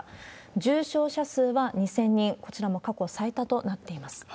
重症者数は２０００人、こちらも過去最多となっています。